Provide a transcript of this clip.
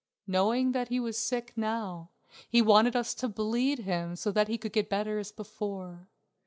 Knowing that he was sick now he wanted us to bleed him so that he could get better as before.